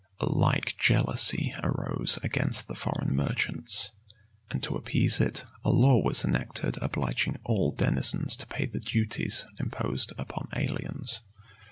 A like jealousy arose against the foreign merchants; and to appease it, a law was enacted obliging all denizens to pay the duties imposed upon aliens.